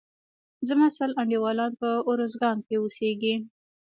زما سل انډيوالان په روزګان کښي اوسيږي.